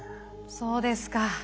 そうですか。